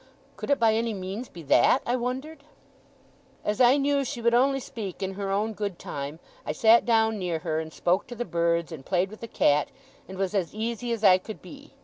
Could it by any means be that, I wondered! As I knew she would only speak in her own good time, I sat down near her, and spoke to the birds, and played with the cat, and was as easy as I could be.